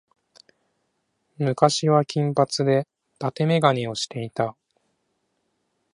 昔は金髪で伊達眼鏡をしていた。